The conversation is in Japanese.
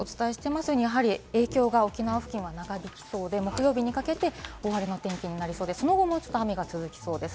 やはり影響が沖縄付近は長引きそうで、木曜日にかけて大荒れの天気になりそうで、その後も雨が続きそうです。